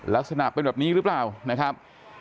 ลักษณะเป็นแบบนี้หรือเปล่านะครับ